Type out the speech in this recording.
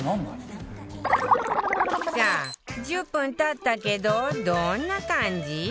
さあ１０分経ったけどどんな感じ？